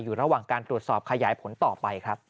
อยู่ระหว่างการตรวจสอบขยายผลต่อไปครับ